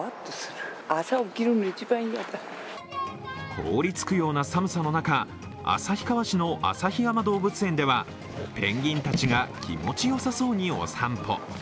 凍りつくような寒さの中、旭川市の旭山動物園ではペンギンたちが気持ちよさそうにお散歩。